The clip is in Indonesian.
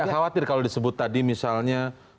khawatir kalau disebut tadi misalnya